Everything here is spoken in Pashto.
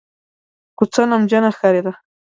کوڅه نمجنه ښکارېده.